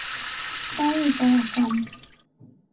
তাই এটা রাখলাম।